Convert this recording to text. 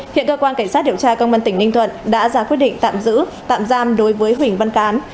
hiện cơ quan cảnh sát điều tra công an tỉnh ninh thuận đã ra quyết định tạm giữ tạm giam đối với huỳnh văn cán